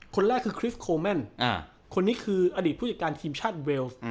คนแรกคือคริสโคแมนคนนี้คืออดีตผู้จัดการทีมชาติเวลส์